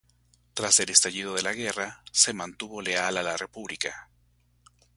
Tras el estallido de la guerra se mantuvo leal a la República.